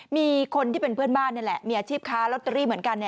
มีคนที่เป็นเพื่อนบ้านนี่แหละมีอาชีพค้าลอตเตอรี่เหมือนกัน